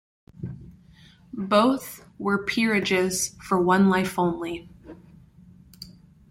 Both were peerages for one life only.